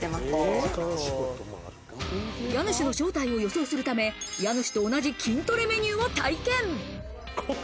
家主の正体を予想するため、家主と同じ筋トレメニューを体験。